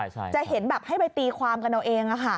จะที่ประทับไปตีความกันเราเอง